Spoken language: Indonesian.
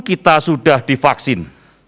kita sudah divaksin